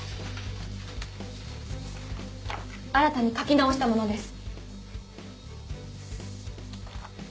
新たに書き直したものです。